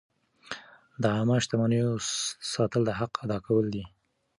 د عامه شتمنیو ساتل د حق ادا کول دي.